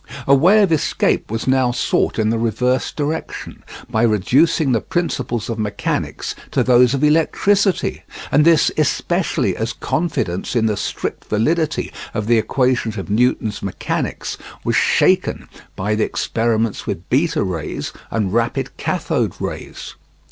A way of escape was now sought in the reverse direction, by reducing the principles of mechanics to those of electricity, and this especially as confidence in the strict validity of the equations of Newton's mechanics was shaken by the experiments with beta rays and rapid kathode rays.